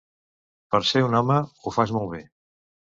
Per ser un home, ho fas molt bé.